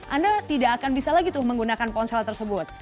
anda tidak akan bisa lagi tuh menggunakan ponsel tersebut